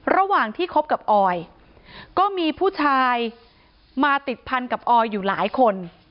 ระหว่างที่คบกับออยก็มีผู้ชายมาติดพันกับออยอยู่หลายคน